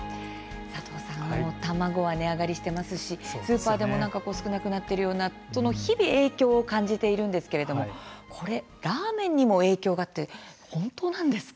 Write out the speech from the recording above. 佐藤さん、卵が値上がりしていますしスーパーでも少なくなっているような日々、影響を感じているんですがラーメンにも影響があるというのは本当なんですか。